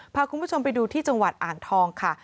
พาคุณผู้ชมไปดูที่จังหวัดอ่างทองค่ะ